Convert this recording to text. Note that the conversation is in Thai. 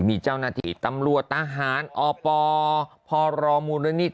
มีเจ้าหน้าที่ตำรวจทหารอปพรมูลนิธิ